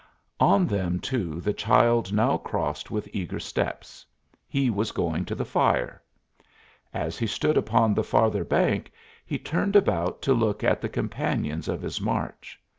On them, too, the child now crossed with eager steps; he was going to the fire. As he stood upon the farther bank he turned about to look at the companions of his march.